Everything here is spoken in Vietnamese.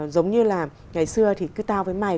giống như là ngày xưa thì cứ tao với mày